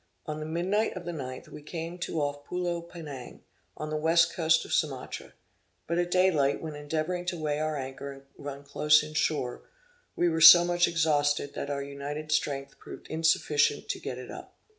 At midnight of the ninth, we came to off Pulo Penang, on the west coast of Sumatra; but at day light, when endeavoring to weigh our anchor and run close in shore, we were so much exhausted that our united strength proved insufficient to get it up.